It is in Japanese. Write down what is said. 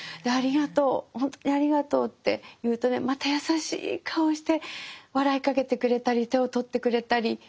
ありがとうほんとにありがとうって言うとねまた優しい顔をして笑いかけてくれたり手を取ってくれたり。